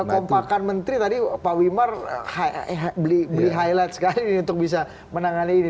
kekompakan menteri tadi pak wimar beli highlight sekali ini untuk bisa menangani ini